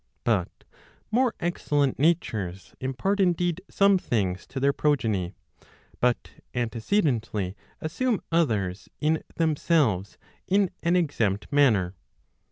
But more excellent natures impart indeed some things to their progeny, but antecedently assume others in themselves, in an exempt manner.